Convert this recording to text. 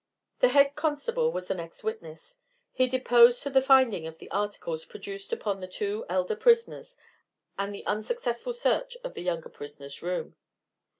The head constable was the next witness. He deposed to the finding of the articles produced upon the two elder prisoners and the unsuccessful search of the younger prisoner's room.